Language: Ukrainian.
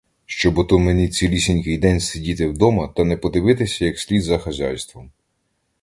Щоб ото мені цілісінький день сидіти вдома та не подивиться як слід за хазяйством.